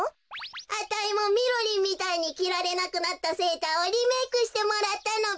あたいもみろりんみたいにきられなくなったセーターをリメークしてもらったのべ。